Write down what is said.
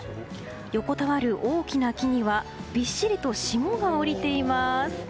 横たわる大きな木にはびっしりと霜が降りています。